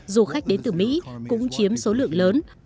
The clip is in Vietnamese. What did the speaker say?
du khách đến từ mỹ cũng chiếm số lượng lớn